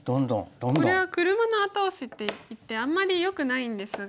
これは「車の後押し」っていってあんまりよくないんですが。